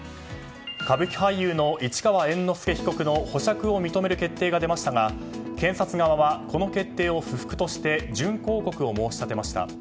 歌舞伎俳優の市川猿之助被告の保釈を認める決定が出ましたが検察側はこの決定を不服として準抗告を申し立てました。